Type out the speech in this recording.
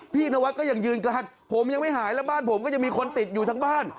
พี่นวัดก็ยังยืนกรานผมยังไม่หายแล้วบ้านผมก็ยังมีคนติดอยู่ทั้งบ้าน